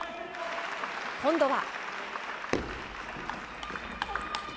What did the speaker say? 今度は。